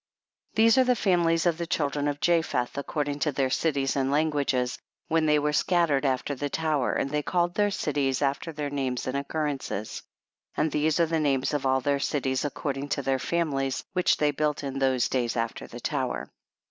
18. These are the families of the children of Japheth according to their cities and languages, when they were scattered after the tower, and they called their cities after their names and occurrences ; and these are the names of all their cities ac cording to their families, which they built in those days after the tower.